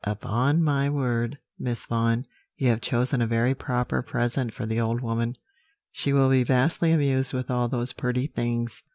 "'Upon my word, Miss Vaughan, you have chosen a very proper present for the old woman; she will be vastly amused with all those pretty things.'